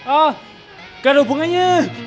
oh gak ada hubungannya